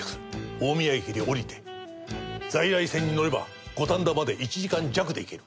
大宮駅で降りて在来線に乗れば五反田まで１時間弱で行ける。